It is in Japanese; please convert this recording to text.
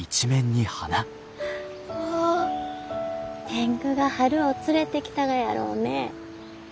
天狗が春を連れてきたがやろうね。